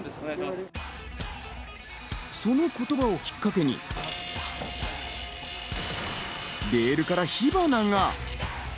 その言葉をきっかけにレールから火花が。